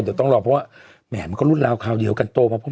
เดี๋ยวต้องรอเพราะว่าแหม่มันก็รุ่นราวคราวเดียวกันโตมาพร้อม